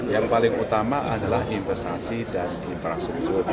yang paling utama adalah investasi dan infrastruktur